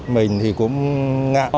mình thì cũng ngạc